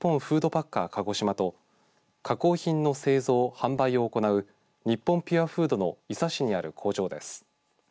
パッカー鹿児島と加工品の製造、販売を行う日本ピュアフードの伊佐市にある工場です。